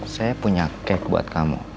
saya punya cat buat kamu